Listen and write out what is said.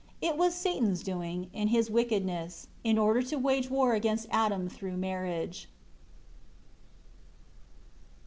It was Satan's doing, in his wickedness; in order to wage war against Adam through marriage.